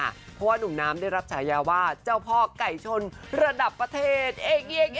เพราะว่านุ่มน้ำได้รับฉายาว่าเจ้าพ่อไก่ชนระดับประเทศ